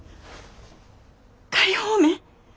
仮放免？